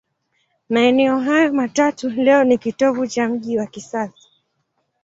Maeneo hayo matatu leo ni kitovu cha mji wa kisasa.